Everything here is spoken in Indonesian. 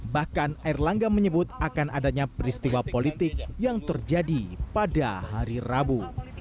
bahkan erlangga menyebut akan adanya peristiwa politik yang terjadi pada hari rabu